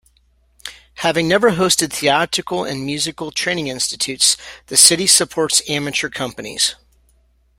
Having never hosted theatrical and musical training institutes, the city supports amateur companies.